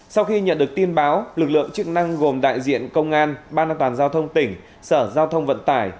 sau khi nhận được tin báo lực lượng chức năng gồm đại diện công an ban an toàn giao thông tỉnh sở giao thông vận tải